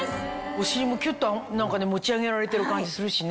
お尻もキュっと持ち上げられてる感じするしね。